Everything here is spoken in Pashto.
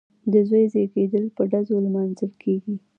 د زوی زیږیدل په ډزو لمانځل کیږي.